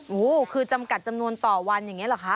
โอ้โหคือจำกัดจำนวนต่อวันอย่างนี้เหรอคะ